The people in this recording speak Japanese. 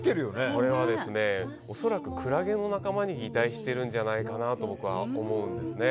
これは恐らくクラゲの仲間に擬態してるんじゃないかと僕は思うんですね。